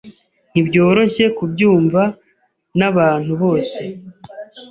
Ntibyoroshye kubyumva nabantu bose.